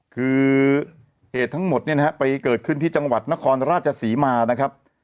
คือเหตุทั้งหมดเนี่ยนะฮะไปเกิดขึ้นที่จังหวัดนครราชศรีมานะครับ